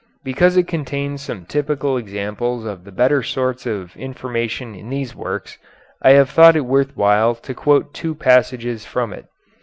Because it contains some typical examples of the better sorts of information in these works, I have thought it worth while to quote two passages from it.